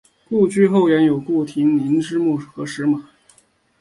故居后园有顾亭林之墓和石马。